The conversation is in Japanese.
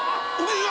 いや！